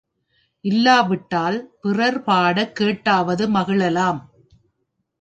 இல்லாவிட்டால் பிறர் பாடக் கேட்டாவது மகிழலாம்.